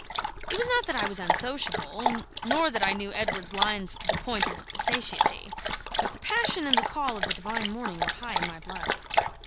It was not that I was unsociable, nor that I knew Edward's lions to the point of satiety; but the passion and the call of the divine morning were high in my blood.